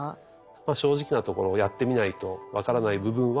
まあ正直なところやってみないと分からない部分はあります。